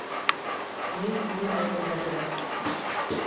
Мин нимә әйтергә беләм.